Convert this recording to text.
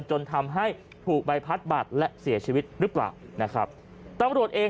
จนทำให้ถูกใบพัดบัตรและเสียชีวิตหรือเปล่านะครับตำรวจเอง